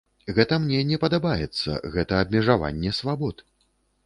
Гэта мне не падабаецца, гэта абмежаванне свабод.